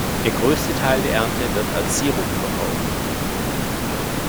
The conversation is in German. Der größte Teil der Ernte wird als Sirup verkauft.